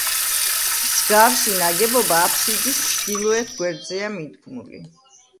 მსგავსი ნაგებობა აფსიდის ჩრდილოეთ გვერდზეა მიდგმული.